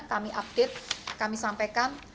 kami update kami sampaikan